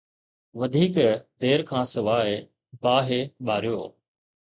وڌيڪ دير کان سواءِ باهه ٻاريو.